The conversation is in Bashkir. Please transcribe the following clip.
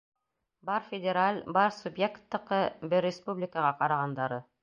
Бар федераль, бар субъекттыҡы — бер республикаға ҡарағандары.